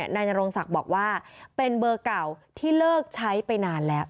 นายนโรงศักดิ์บอกว่าเป็นเบอร์เก่าที่เลิกใช้ไปนานแล้ว